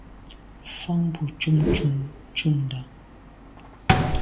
Mfan bon tshob ntùm ndà.